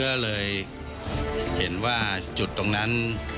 ก็เลยเห็นว่าจุดตรงนั้น